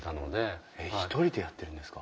えっ１人でやってるんですか？